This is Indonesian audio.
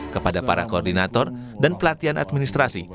kepada para koordinator dan pelatihan administrasi